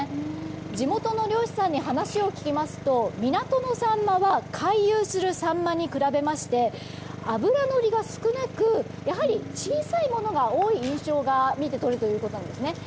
地元の漁師さんに話を聞きますと港のサンマは回遊するサンマに比べまして脂のりが少なくやはり小さいものが多い印象が見て取れるということなんですね。